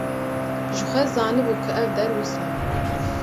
Jixwe zanibû ku ev der wisa ye.